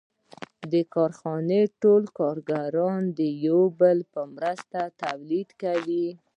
د کارخانې ټول کارګران د یو بل په مرسته تولید کوي